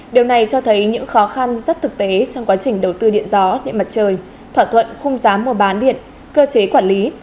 điều này cho thấy những khó khăn rất thực tế trong quá trình đầu tư điện gió điện mặt trời thỏa thuận khung giá mua bán điện cơ chế quản lý